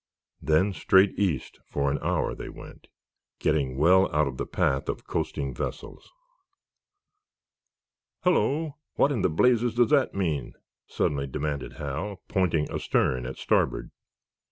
Then straight East, for an hour they went, getting well out of the path of coasting vessels. "Hullo! What in blazes does that mean?" suddenly demanded Hal, pointing astern at starboard.